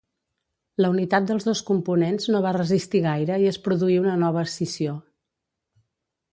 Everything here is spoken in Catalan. La unitat dels dos components no va resistir gaire i es produí una nova escissió.